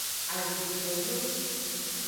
Agbetonyo.